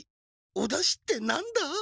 おだしって何だ？